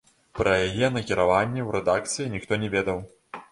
Пра яе накіраванне ў рэдакцыі ніхто не ведаў.